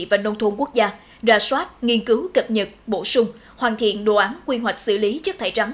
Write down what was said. và nông thôn quốc gia ra soát nghiên cứu cập nhật bổ sung hoàn thiện đồ án quy hoạch xử lý chất thải rắn